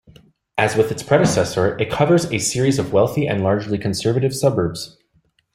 As with its predecessor, it covers a series of wealthy and largely conservative suburbs.